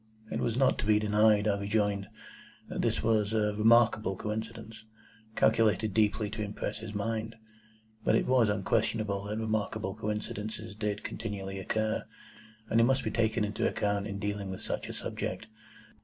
It was not to be denied, I rejoined, that this was a remarkable coincidence, calculated deeply to impress his mind. But it was unquestionable that remarkable coincidences did continually occur, and they must be taken into account in dealing with such a subject.